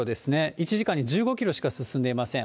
１時間に１５キロしか進んでいません。